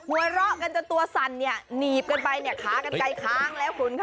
หัวเราะกันจนตัวสั่นเนี่ยหนีบกันไปเนี่ยขากันไกลค้างแล้วคุณค่ะ